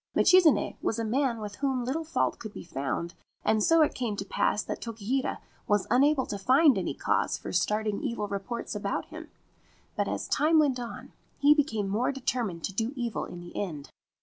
Michizane was a man with whom little fault could be found, and so it came to pass that Tokihira was unable to find any cause for starting evil reports about him ; but as time went on he became more determined to do evil in the end.